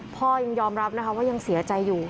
พ่อยังยอมรับนะคะว่ายังเสียใจอยู่